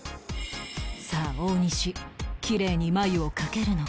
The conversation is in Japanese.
さあ大西きれいに眉を描けるのか？